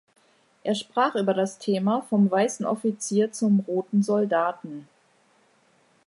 Er sprach über das Thema: „Vom weißen Offizier zum Roten Soldaten“.